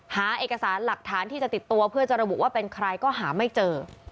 หาเอกสารหลักฐานที่จะติดตัวเพื่อจะระบุว่าเป็นใครก็หาไม่เจอ